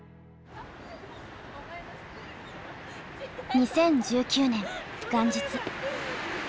２０１９年元日。